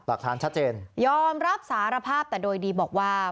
หลักฐานชัดเจนยอมรับสารภาพแต่โดยดีบอกว่า